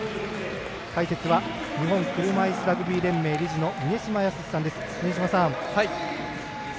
解説は日本車いすラグビー連盟理事の峰島靖さんです。